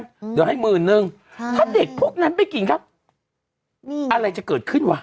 เดี๋ยวให้หมื่นนึงฮะถ้าเด็กพวกนั้นไปกินครับนี่อะไรจะเกิดขึ้นวะ